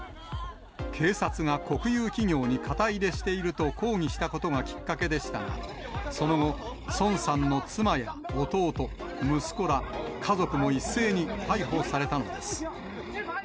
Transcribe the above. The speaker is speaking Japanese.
警察が国有企業に肩入れしていると抗議したことがきっかけでしたが、その後、孫さんの妻や弟、息子ら、家族も一斉に逮捕されたのです。